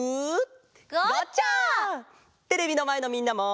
ゴッチャ！テレビのまえのみんなも。